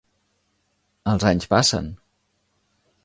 Els anys passen.